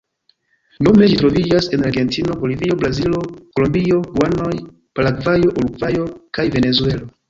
Nome ĝi troviĝas en Argentino, Bolivio, Brazilo, Kolombio, Gujanoj, Paragvajo, Urugvajo, kaj Venezuelo.